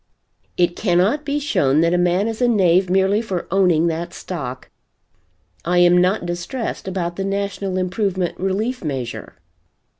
"It cannot be shown that a man is a knave merely for owning that stock. I am not distressed about the National Improvement Relief Measure."